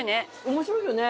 面白いよね。